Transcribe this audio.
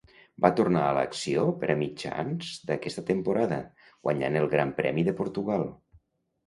Va tornar a l'acció per a mitjans d'aquesta temporada, guanyant el Gran Premi de Portugal.